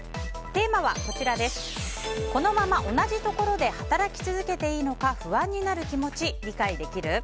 テーマはこのまま同じところで働き続けていいのか不安になる気持ち理解できる？